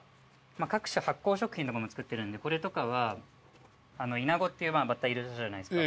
各種発酵食品とかも作ってるんでこれとかはイナゴっていうバッタいるじゃないですか。